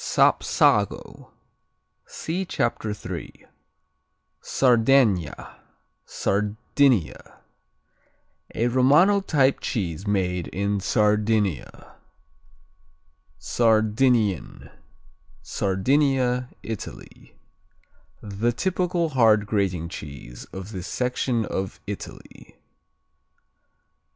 Sapsago see Chapter 3. Sardegna Sardinia A Romano type made in Sardinia. Sardinian Sardinia, Italy The typical hard grating cheese of this section of Italy.